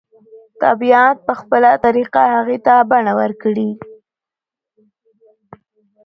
طبیعت به په خپله طریقه هغې ته بڼه ورکړي